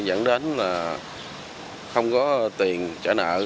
giống như là không có tiền trả nợ